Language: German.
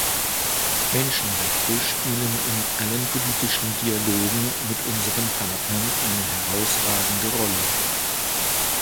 Menschenrechte spielen in allen politischen Dialogen mit unseren Partnern eine herausragende Rolle.